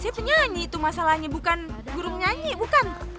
siapa penyanyi itu masalahnya bukan guru nyanyi bukan